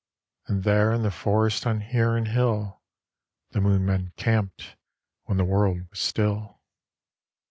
And there in the forest on Huron Hill The Moonmen camped when the world was still.